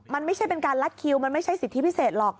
มันไม่ใช่เป็นการลัดคิวมันไม่ใช่สิทธิพิเศษหรอก